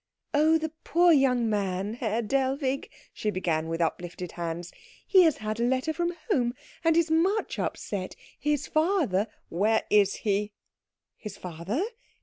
"Oh, the poor young man, Herr Dellwig!" she began with uplifted hands. "He has had a letter from home, and is much upset. His father " "Where is he?" "His father?